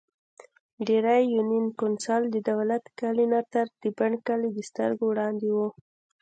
ډېرۍ يونېن کونسل ددولت کلي نه تر د بڼ کلي دسترګو وړاندې وو ـ